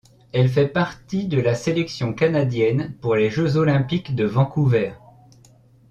Elle fait partie de la sélection canadienne pour les jeux olympiques de Vancouver.